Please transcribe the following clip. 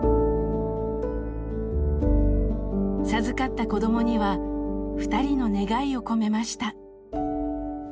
授かった子どもにはふたりの願いを込めました。